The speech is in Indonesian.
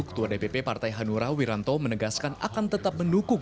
ketua dpp partai hanura wiranto menegaskan akan tetap mendukung